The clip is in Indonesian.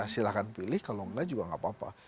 silahkan pilih kalau enggak juga enggak apa apa